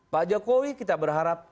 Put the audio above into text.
pak jokowi kita berharap